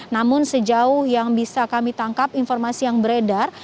namun sejauh yang bisa kami tangkap informasi yang beredar